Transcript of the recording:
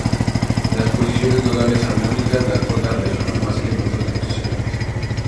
En las posiciones nodales armónicas la cuerda resuena más que en otras posiciones.